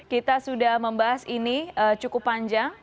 kita sudah membahas ini cukup panjang